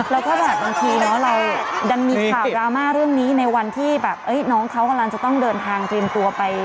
แล้วก็แบบบางทีเราดันมีข่าวดราม่าเรื่องนี้ในวันที่แบบน้องเขากำลังจะต้องเดินทางเตรียมตัวไป